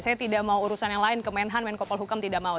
saya tidak mau urusan yang lain kemenhan menkopol hukum tidak mau